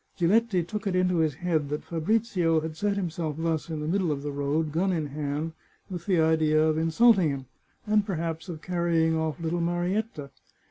Giletti took it into his head that Fabrizio had set him self thus in the middle of the road, gun in hand, with the idea of insulting him, and perhaps of carrying off little Marietta.